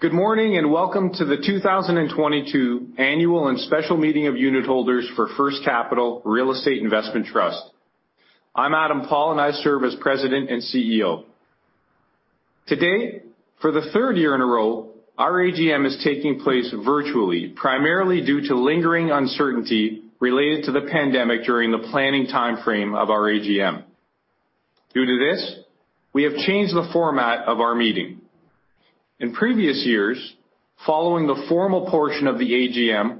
Good morning, and welcome to the 2022 Annual and Special Meeting of Unitholders for First Capital Real Estate Investment Trust. I'm Adam Paul, and I serve as President and CEO. Today, for the third year in a row, our AGM is taking place virtually, primarily due to lingering uncertainty related to the pandemic during the planning timeframe of our AGM. Due to this, we have changed the format of our meeting. In previous years, following the formal portion of the AGM,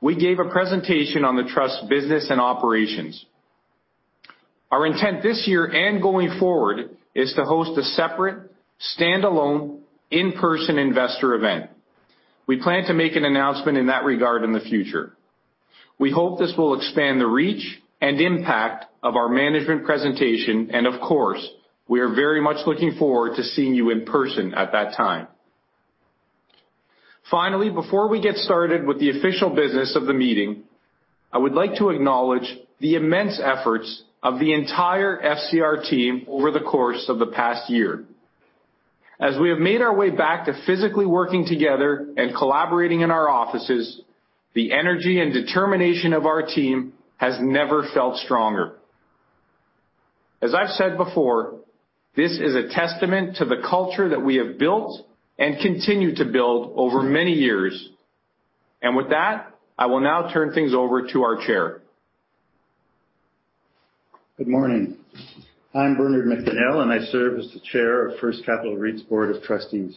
we gave a presentation on the Trust's business and operations. Our intent this year, and going forward, is to host a separate standalone in-person investor event. We plan to make an announcement in that regard in the future. We hope this will expand the reach and impact of our management presentation, and of course, we are very much looking forward to seeing you in person at that time. Finally, before we get started with the official business of the meeting, I would like to acknowledge the immense efforts of the entire FCR team over the course of the past year. As we have made our way back to physically working together and collaborating in our offices, the energy and determination of our team has never felt stronger. As I've said before, this is a testament to the culture that we have built and continue to build over many years. With that, I will now turn things over to our chair. Good morning. I'm Bernard McDonnell, and I serve as the chair of First Capital REIT's board of trustees.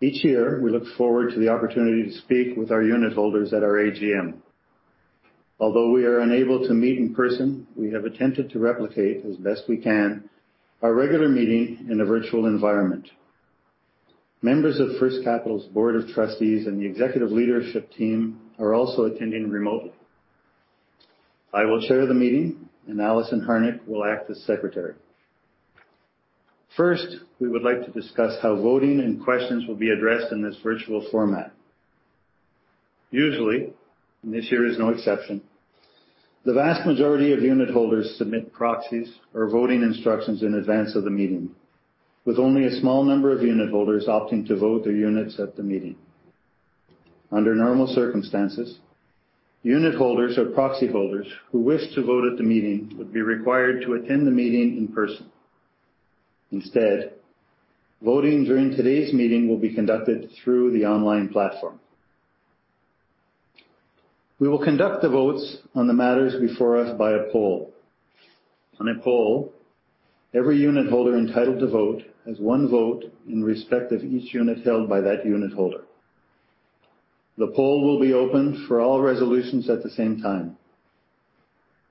Each year, we look forward to the opportunity to speak with our unitholders at our AGM. Although we are unable to meet in person, we have attempted to replicate as best we can our regular meeting in a virtual environment. Members of First Capital's Board of Trustees and the executive leadership team are also attending remotely. I will chair the meeting, and Alison Harnick will act as secretary. First, we would like to discuss how voting and questions will be addressed in this virtual format. Usually, and this year is no exception, the vast majority of unitholders submit proxies or voting instructions in advance of the meeting, with only a small number of unitholders opting to vote their units at the meeting. Under normal circumstances, unitholders or proxy holders who wish to vote at the meeting would be required to attend the meeting in person. Instead, voting during today's meeting will be conducted through the online platform. We will conduct the votes on the matters before us by a poll. On a poll, every unitholder entitled to vote has one vote in respect of each unit held by that unitholder. The poll will be open for all resolutions at the same time.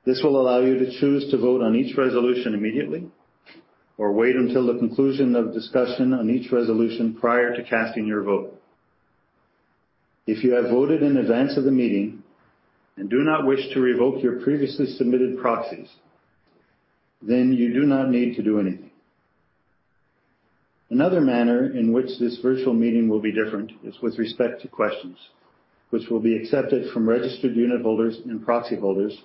This will allow you to choose to vote on each resolution immediately or wait until the conclusion of discussion on each resolution prior to casting your vote. If you have voted in advance of the meeting and do not wish to revoke your previously submitted proxies, then you do not need to do anything. Another manner in which this virtual meeting will be different is with respect to questions which will be accepted from registered unitholders and proxy holders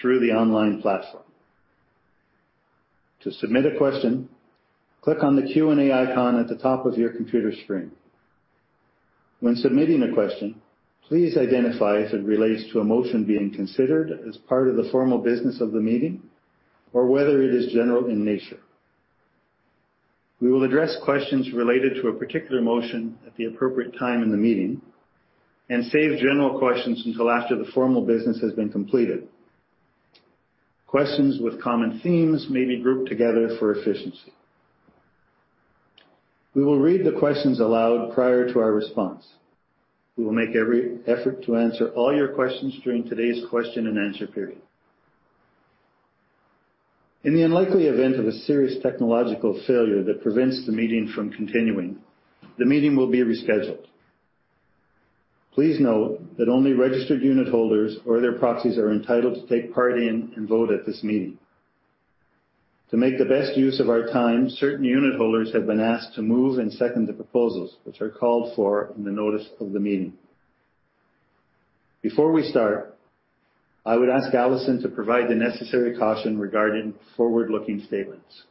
through the online platform. To submit a question, click on the Q&A icon at the top of your computer screen. When submitting a question, please identify if it relates to a motion being considered as part of the formal business of the meeting or whether it is general in nature. We will address questions related to a particular motion at the appropriate time in the meeting and save general questions until after the formal business has been completed. Questions with common themes may be grouped together for efficiency. We will read the questions aloud prior to our response. We will make every effort to answer all your questions during today's question-and-answer period. In the unlikely event of a serious technological failure that prevents the meeting from continuing, the meeting will be rescheduled. Please note that only registered unitholders or their proxies are entitled to take part in and vote at this meeting. To make the best use of our time, certain unitholders have been asked to move and second the proposals which are called for in the notice of the meeting. Before we start, I would ask Alison to provide the necessary caution regarding forward-looking statements.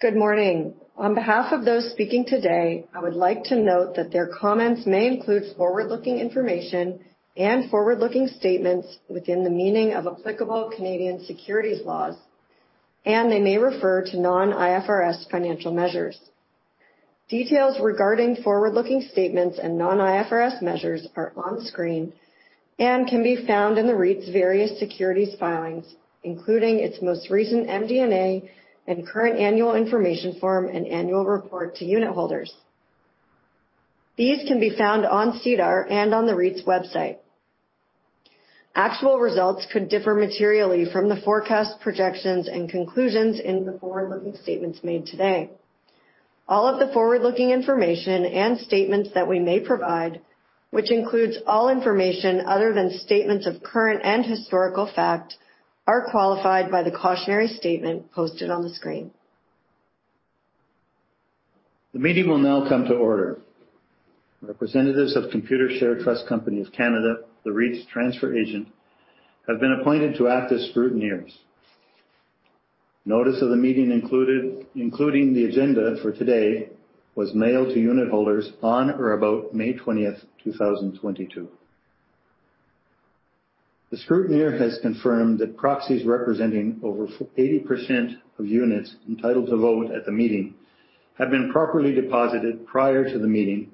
Good morning. On behalf of those speaking today, I would like to note that their comments may include forward-looking information and forward-looking statements within the meaning of applicable Canadian securities laws, and they may refer to non-IFRS financial measures. Details regarding forward-looking statements and non-IFRS measures are on the screen and can be found in the REIT's various securities filings, including its most recent MD&A and current annual information form and annual report to unitholders. These can be found on SEDAR and on the REIT's website. Actual results could differ materially from the forecast projections and conclusions in the forward-looking statements made today. All of the forward-looking information and statements that we may provide, which includes all information other than statements of current and historical fact, are qualified by the cautionary statement posted on the screen. The meeting will now come to order. Representatives of Computershare Trust Company of Canada, the REIT's transfer agent, have been appointed to act as scrutineers. Notice of the meeting, including the agenda for today, was mailed to unitholders on or about May twentieth, 2022. The scrutineer has confirmed that proxies representing over 80% of units entitled to vote at the meeting have been properly deposited prior to the meeting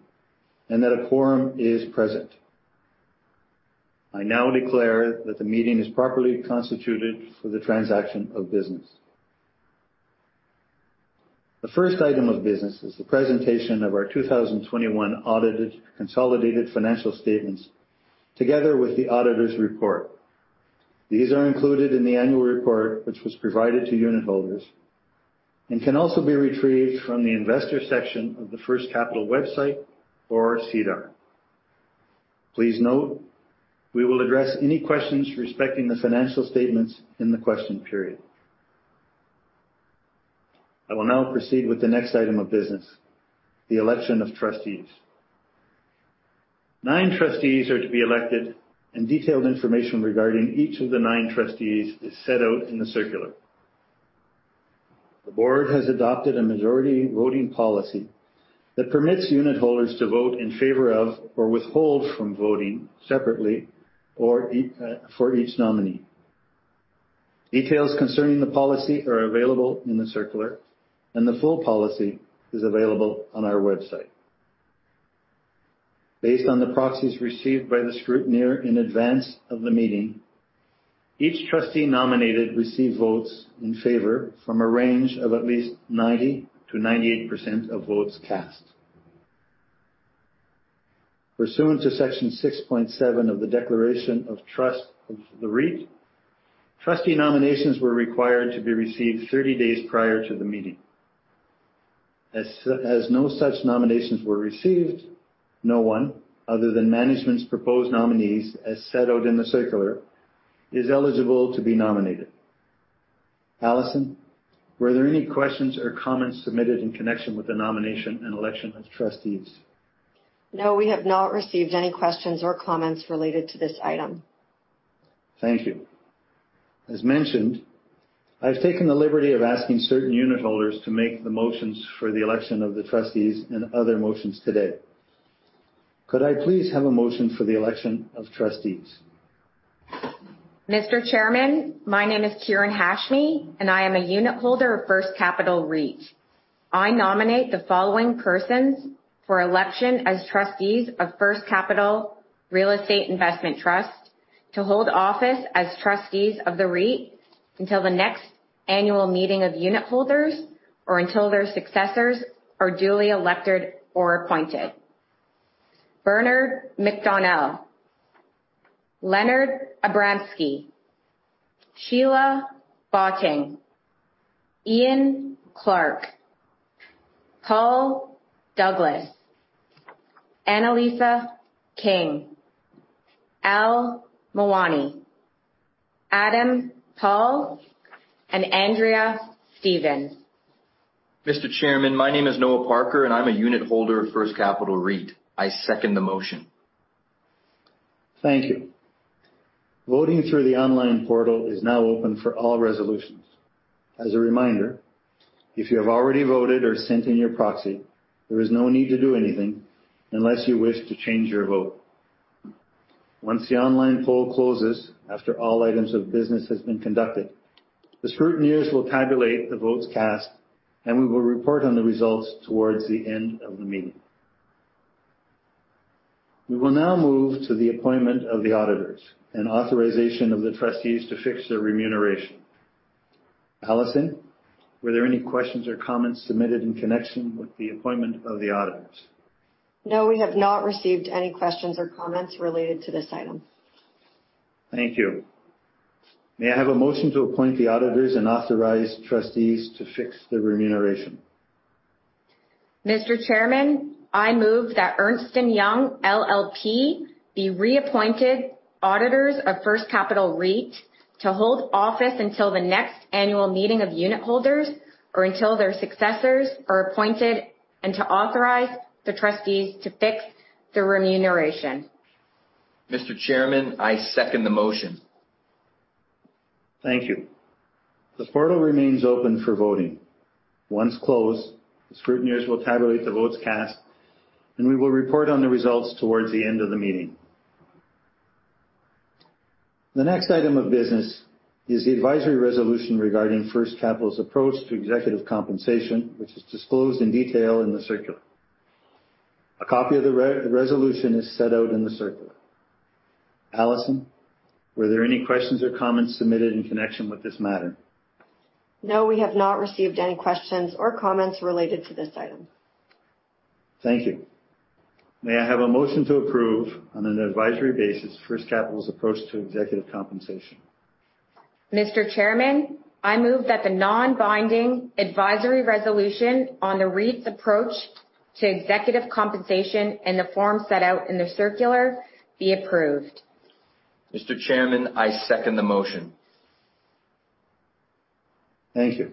and that a quorum is present. I now declare that the meeting is properly constituted for the transaction of business. The first item of business is the presentation of our 2021 audited consolidated financial statements together with the auditor's report. These are included in the annual report which was provided to unitholders and can also be retrieved from the investor section of the First Capital website or SEDAR. Please note, we will address any questions respecting the financial statements in the question period. I will now proceed with the next item of business, the election of trustees. Nine trustees are to be elected and detailed information regarding each of the nine trustees is set out in the circular. The board has adopted a majority voting policy that permits unitholders to vote in favor of or withhold from voting separately or for each nominee. Details concerning the policy are available in the circular, and the full policy is available on our website. Based on the proxies received by the scrutineer in advance of the meeting, each trustee nominated received votes in favor from a range of at least 90%-98% of votes cast. Pursuant to Section 6.7 of the Declaration of Trust of the REIT, trustee nominations were required to be received 30 days prior to the meeting. As no such nominations were received, no one, other than management's proposed nominees, as set out in the circular, is eligible to be nominated. Alison, were there any questions or comments submitted in connection with the nomination and election of trustees? No, we have not received any questions or comments related to this item. Thank you. As mentioned, I've taken the liberty of asking certain unitholders to make the motions for the election of the trustees and other motions today. Could I please have a motion for the election of trustees? Mr. Chairman, my name is Kirryn Hashmi, and I am a unitholder of First Capital REIT. I nominate the following persons for election as trustees of First Capital Real Estate Investment Trust to hold office as trustees of the REIT until the next annual meeting of unitholders or until their successors are duly elected or appointed. Bernard McDonnell, Leonard Abramsky, Sheila Botting, Ian Clarke, Paul Douglas, Annalisa King, Al Mawani, Adam Paul, and Andrea Stephen. Mr. Chairman, my name is Noah Parker, and I'm a unitholder of First Capital REIT. I second the motion. Thank you. Voting through the online portal is now open for all resolutions. As a reminder, if you have already voted or sent in your proxy, there is no need to do anything unless you wish to change your vote. Once the online poll closes after all items of business has been conducted, the scrutineers will tabulate the votes cast, and we will report on the results towards the end of the meeting. We will now move to the appointment of the auditors and authorization of the trustees to fix their remuneration. Alison, were there any questions or comments submitted in connection with the appointment of the auditors? No, we have not received any questions or comments related to this item. Thank you. May I have a motion to appoint the auditors and authorize trustees to fix their remuneration? Mr. Chairman, I move that Ernst & Young LLP be reappointed auditors of First Capital REIT to hold office until the next annual meeting of unitholders or until their successors are appointed and to authorize the trustees to fix their remuneration. Mr. Chairman, I second the motion. Thank you. The portal remains open for voting. Once closed, the scrutineers will tabulate the votes cast, and we will report on the results towards the end of the meeting. The next item of business is the advisory resolution regarding First Capital's approach to executive compensation, which is disclosed in detail in the circular. A copy of the resolution is set out in the circular. Alison, were there any questions or comments submitted in connection with this matter? No, we have not received any questions or comments related to this item. Thank you. May I have a motion to approve on an advisory basis First Capital's approach to executive compensation? Mr. Chairman, I move that the non-binding advisory resolution on the REIT's approach to executive compensation in the form set out in the circular be approved. Mr. Chairman, I second the motion. Thank you.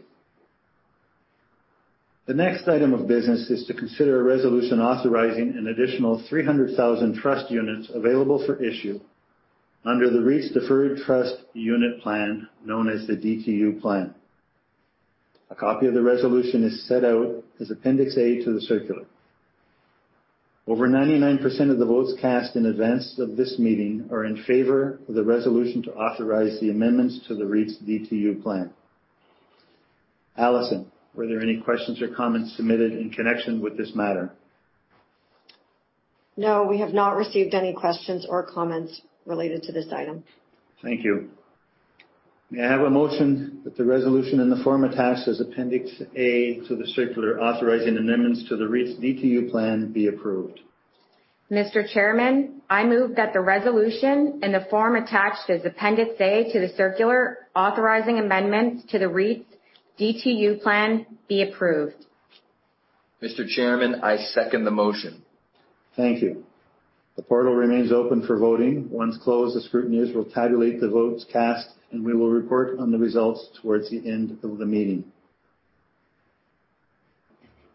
The next item of business is to consider a resolution authorizing an additional 300,000 trust units available for issue under the REIT's Deferred Trust Unit Plan, known as the DTU Plan. A copy of the resolution is set out as Appendix A to the circular. Over 99% of the votes cast in advance of this meeting are in favor of the resolution to authorize the amendments to the REIT's DTU Plan. Alison, were there any questions or comments submitted in connection with this matter? No, we have not received any questions or comments related to this item. Thank you. May I have a motion that the resolution in the form attached as Appendix A to the circular authorizing amendments to the REIT's DTU Plan be approved? Mr. Chairman, I move that the resolution in the form attached as Appendix A to the circular authorizing amendments to the REIT's DTU Plan be approved. Mr. Chairman, I second the motion. Thank you. The portal remains open for voting. Once closed, the scrutineers will tabulate the votes cast, and we will report on the results towards the end of the meeting.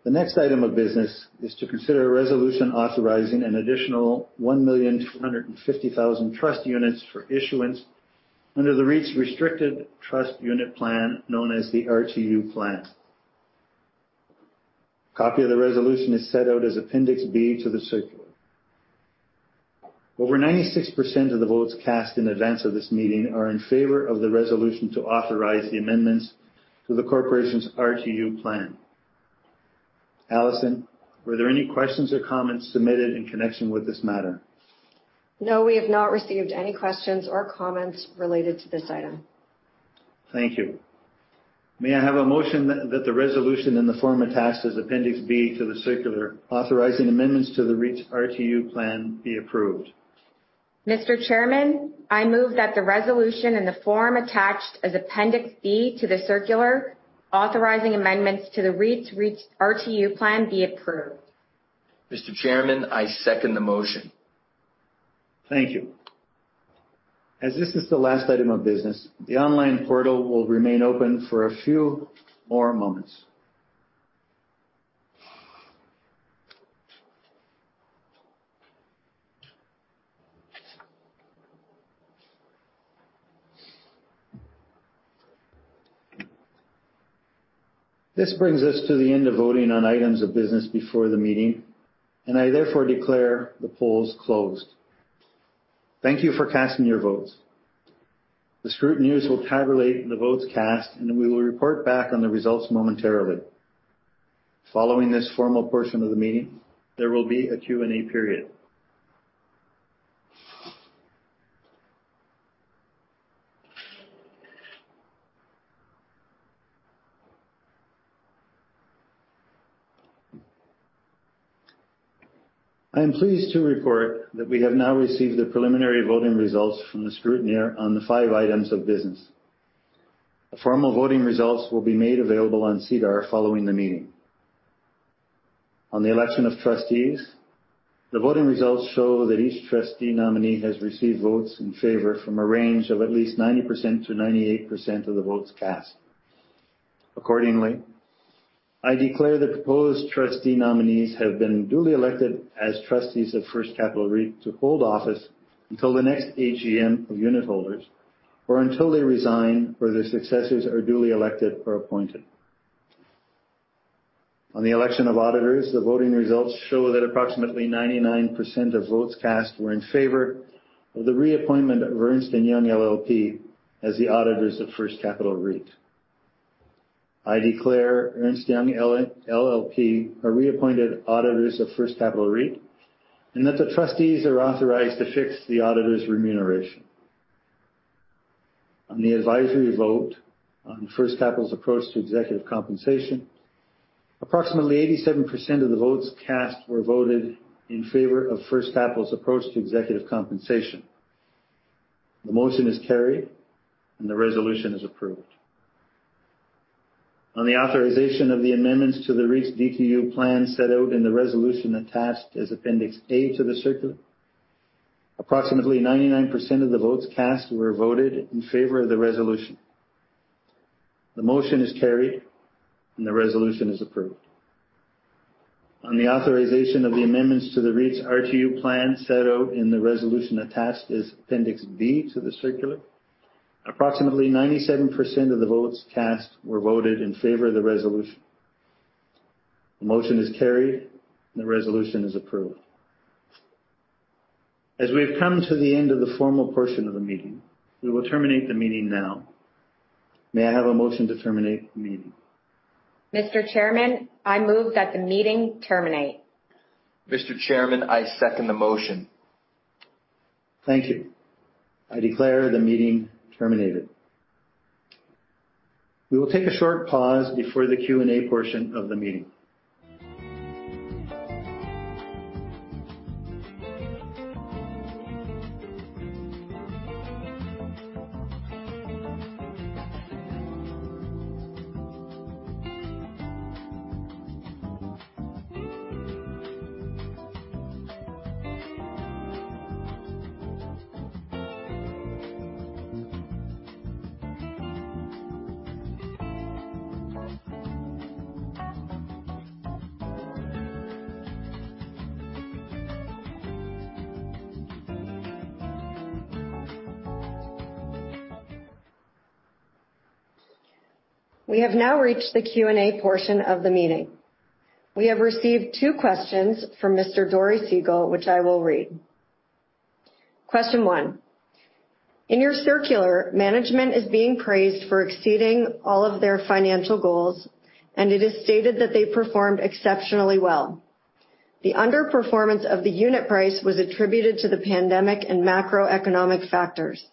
The next item of business is to consider a resolution authorizing an additional 1,250,000 trust units for issuance under the REIT's Restricted Trust Unit Plan, known as the RTU Plan. Copy of the resolution is set out as Appendix B to the circular. Over 96% of the votes cast in advance of this meeting are in favor of the resolution to authorize the amendments to the corporation's RTU plan. Alison, were there any questions or comments submitted in connection with this matter? No, we have not received any questions or comments related to this item. Thank you. May I have a motion that the resolution in the form attached as Appendix B to the circular authorizing amendments to the REIT's RTU Plan be approved. Mr. Chairman, I move that the resolution in the form attached as Appendix B to the circular authorizing amendments to the REIT's RTU plan be approved. Mr. Chairman, I second the motion. Thank you. As this is the last item of business, the online portal will remain open for a few more moments. This brings us to the end of voting on items of business before the meeting, and I therefore declare the polls closed. Thank you for casting your votes. The scrutineers will tabulate the votes cast, and we will report back on the results momentarily. Following this formal portion of the meeting, there will be a Q&A period. I am pleased to report that we have now received the preliminary voting results from the scrutineer on the five items of business. The formal voting results will be made available on SEDAR following the meeting. On the election of trustees, the voting results show that each trustee nominee has received votes in favor from a range of at least 90%-98% of the votes cast. Accordingly, I declare the proposed trustee nominees have been duly elected as trustees of First Capital REIT to hold office until the next AGM of unit holders or until they resign or their successors are duly elected or appointed. On the election of auditors, the voting results show that approximately 99% of votes cast were in favor of the reappointment of Ernst & Young LLP as the auditors of First Capital REIT. I declare Ernst & Young LLP are reappointed auditors of First Capital REIT and that the trustees are authorized to fix the auditors' remuneration. On the advisory vote on First Capital's approach to executive compensation, approximately 87% of the votes cast were voted in favor of First Capital's approach to executive compensation. The motion is carried, and the resolution is approved. On the authorization of the amendments to the REIT's DTU Plan set out in the resolution attached as Appendix A to the circular, approximately 99% of the votes cast were voted in favor of the resolution. The motion is carried, and the resolution is approved. On the authorization of the amendments to the REIT's RTU Plan set out in the resolution attached as Appendix B to the circular, approximately 97% of the votes cast were voted in favor of the resolution. The motion is carried, and the resolution is approved. As we have come to the end of the formal portion of the meeting, we will terminate the meeting now. May I have a motion to terminate the meeting? Mr. Chairman, I move that the meeting terminate. Mr. Chairman, I second the motion. Thank you. I declare the meeting terminated. We will take a short pause before the Q&A portion of the meeting. We have now reached the Q&A portion of the meeting. We have received two questions from Mr. Dori Segal, which I will read. Question one: In your circular, management is being praised for exceeding all of their financial goals, and it is stated that they performed exceptionally well. The underperformance of the unit price was attributed to the pandemic and macroeconomic factors.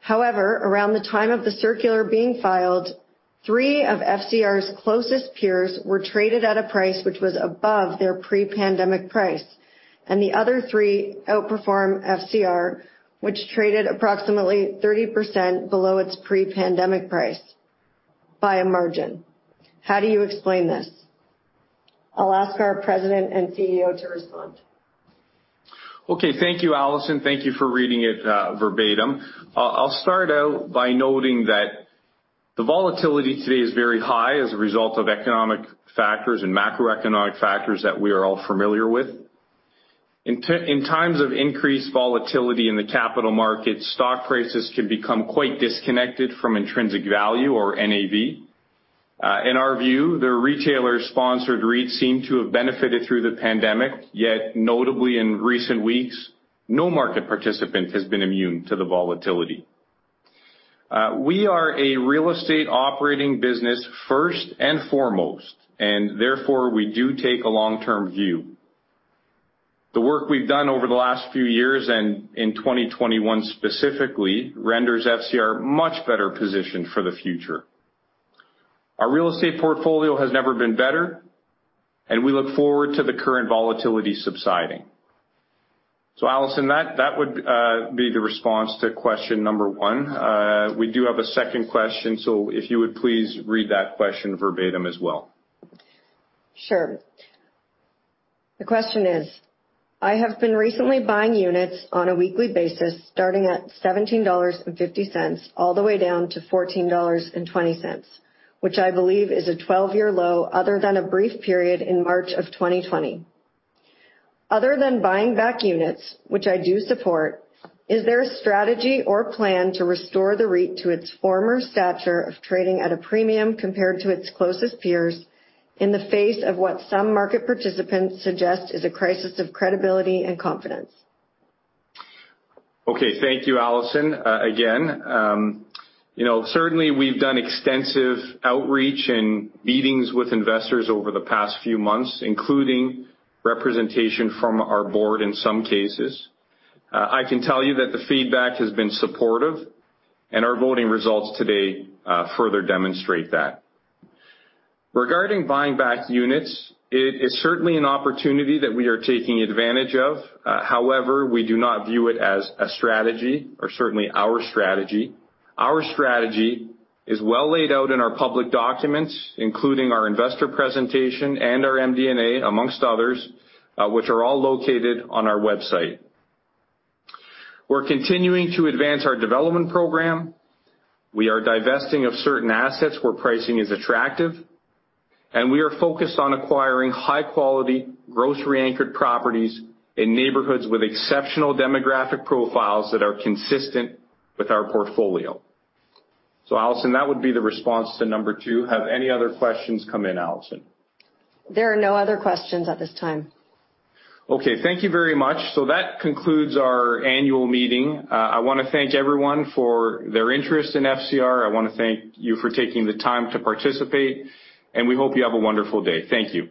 However, around the time of the circular being filed, three of FCR's closest peers were traded at a price which was above their pre-pandemic price, and the other three outperform FCR, which traded approximately 30% below its pre-pandemic price by a margin. How do you explain this? I'll ask our President and CEO to respond. Okay. Thank you, Alison. Thank you for reading it verbatim. I'll start out by noting that the volatility today is very high as a result of economic factors and macroeconomic factors that we are all familiar with. In times of increased volatility in the capital market, stock prices can become quite disconnected from intrinsic value or NAV. In our view, the retailer-sponsored REITs seem to have benefited through the pandemic. Yet, notably, in recent weeks, no market participant has been immune to the volatility. We are a real estate operating business first and foremost, and therefore, we do take a long-term view. The work we've done over the last few years and in 2021 specifically renders FCR much better positioned for the future. Our real estate portfolio has never been better, and we look forward to the current volatility subsiding. Alison, that would be the response to question number one. We do have a second question, so if you would please read that question verbatim as well. Sure. The question is: I have been recently buying units on a weekly basis, starting at 17.50 dollars all the way down to 14.20 dollars, which I believe is a 12-year low, other than a brief period in March of 2020. Other than buying back units, which I do support, is there a strategy or plan to restore the REIT to its former stature of trading at a premium compared to its closest peers in the face of what some market participants suggest is a crisis of credibility and confidence? Okay. Thank you, Alison. Again, you know, certainly we've done extensive outreach and meetings with investors over the past few months, including representation from our board in some cases. I can tell you that the feedback has been supportive, and our voting results today further demonstrate that. Regarding buying back units, it is certainly an opportunity that we are taking advantage of. However, we do not view it as a strategy or certainly our strategy. Our strategy is well laid out in our public documents, including our investor presentation and our MD&A, amongst others, which are all located on our website. We're continuing to advance our development program. We are divesting of certain assets where pricing is attractive. We are focused on acquiring high-quality grocery-anchored properties in neighborhoods with exceptional demographic profiles that are consistent with our portfolio. Alison, that would be the response to number two. Have any other questions come in, Alison? There are no other questions at this time. Okay, thank you very much. That concludes our annual meeting. I wanna thank everyone for their interest in FCR. I wanna thank you for taking the time to participate, and we hope you have a wonderful day. Thank you.